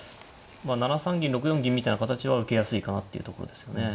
７三銀６四銀みたいな形は受けやすいかなっていうところですよね。